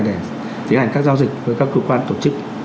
để tiến hành các giao dịch với các cơ quan tổ chức